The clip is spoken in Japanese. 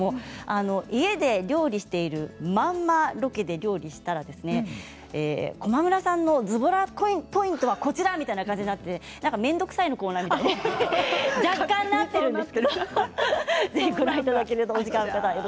家で料理をしているまんまロケで料理をしたら駒村さんのずぼらポイントはこちらみたいな感じになって面倒くさいのコーナーみたいに若干なっているんです。